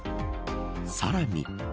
さらに。